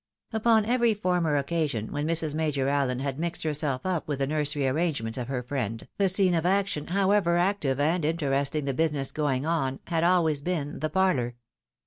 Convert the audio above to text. Upon every former occasion when Mrs. Major Allen had mixed herself up with the nursery arrangements of her friend, the scene of action, however active and interesting the business going on, had always been the parlour.